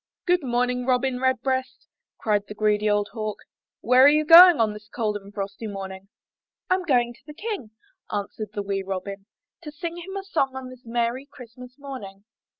''Good morning, Robin Redbreast," cried the greedy old Hawk, ''where are you going on this cold and frosty morning?" 'Tm going to the King," answered the wee Robin, "to sing him a song on this merry Christmas morning."